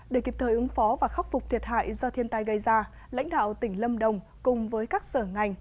để kịp thời ứng phó và khắc phục thiệt hại do thiên tai gây ra lãnh đạo tỉnh lâm đồng cùng với các sở ngành